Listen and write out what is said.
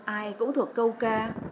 ai cũng thuộc câu ca